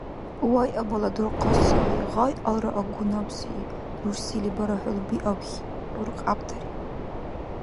– Ва абала дурхъаси, гъайалра агу набзи, – рурсили бара хӀулби абхьиб, гӀур кьяпӀдариб.